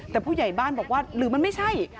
แต่ผู้ใหญ่บ้านบอกว่าหรือมันไม่ใช่